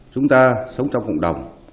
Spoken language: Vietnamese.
chúng ta sống trong cộng đồng